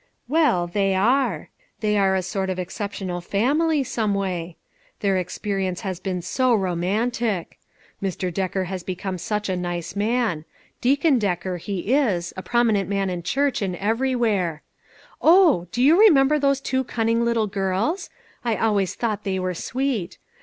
" Well, they are. They are a sort of excep tional family someway j their experience has THE PAST AND PRESENT. 433 been so romantic. Mr. Decker has become such a nice man; Deacon Decker, he is, a prominent man in the church, and everywhere. Oh ! do you remember those two cunning little girls ? I always thought they were sweet.